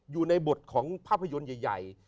อยู่ในบทของภาพยนตร์ใหญ่